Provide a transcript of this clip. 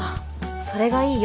それがいいよ。